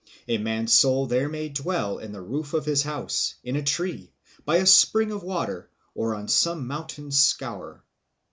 A man's soul there may dwell in the roof of his house, in a tree, by a spring of water, or on some mountain scaur."